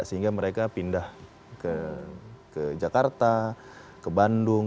sehingga mereka pindah ke jakarta ke bandung